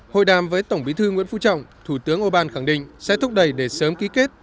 hội đàm với tổng bí thư nguyễn phú trọng thủ tướng orbán khẳng định sẽ thúc đẩy để sớm ký kết